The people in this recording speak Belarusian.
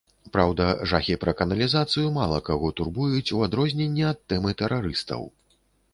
Праўда, жахі пра каналізацыю мала каго турбуюць, у адрозненне ад тэмы тэрарыстаў.